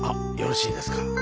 よろしいですか？